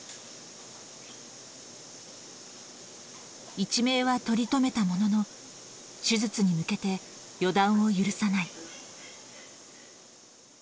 一命はとりとめたものの、手術に向けて予断を許さない。